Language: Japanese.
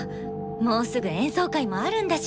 もうすぐ演奏会もあるんだし。